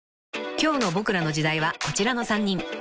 ［今日の『ボクらの時代』はこちらの３人］